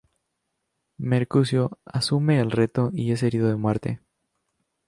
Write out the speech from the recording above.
Mercucio, asume el reto y es herido de muerte.